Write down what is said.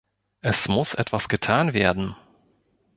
Es muss etwas getan werden!